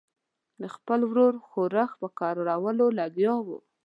د خپل ورور ښورښ په کرارولو لګیا وو.